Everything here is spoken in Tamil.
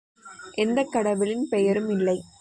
எந்தக் கடவுளின் பெயரும் இல்லை.